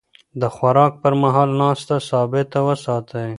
د خوراک پر مهال ناسته ثابته وساتئ.